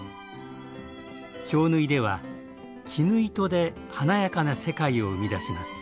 京繍では絹糸で華やかな世界を生み出します。